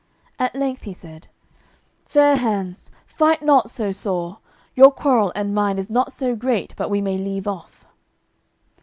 At length he said, "Fair hands, fight not so sore; your quarrel and mine is not so great but we may leave off."